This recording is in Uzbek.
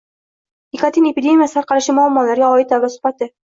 Nikotin epidemiyasi tarqalishi muammolariga oid davra suhbati